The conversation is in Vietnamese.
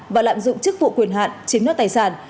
và lạm dụng chức vụ quyền hạn chính nốt tài sản